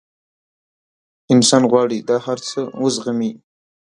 انسان غواړي دا هر څه وزغمي.